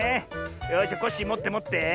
よしじゃコッシーもってもって。